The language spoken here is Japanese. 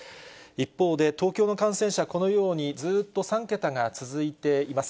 一方で、東京の感染者、このように、ずっと３桁が続いています。